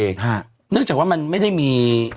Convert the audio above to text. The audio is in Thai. เนื่องจากว่ามันไม่ได้มี